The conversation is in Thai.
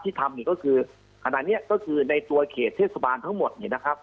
ทำเนี่ยก็คือขณะนี้ก็คือในตัวเขตเทศบาลทั้งหมดเนี่ยนะครับ